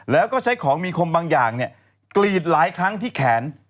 แล้วก็ใช้ของมีคมบางอย่างกรีดหลายครั้งที่แขน